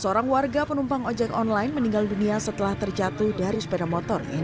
seorang warga penumpang ojek online meninggal dunia setelah terjatuh dari sepeda motor yang